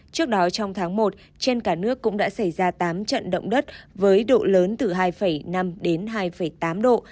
trước đó trong tháng một trên cả nước cũng đã xảy ra tám trận động đất với độ lớn từ hai năm đến hai tám độ